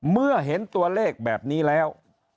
เมื่อเห็นตัวเลขแบบนี้แล้ว